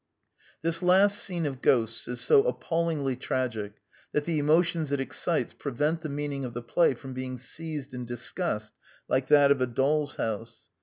This last scene of Ghosts is so appallingly tragic that the emotions it excites prevent the meaning of the play from being seized and dis cussed like that of A Doll's House.